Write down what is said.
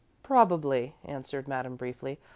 "Probably," answered Madame, briefly.